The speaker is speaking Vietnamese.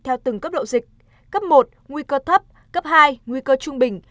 theo từng cấp độ dịch cấp một nguy cơ thấp cấp hai nguy cơ trung bình